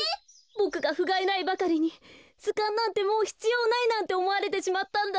ボクがふがいないばかりにずかんなんてもうひつようないなんておもわれてしまったんだ。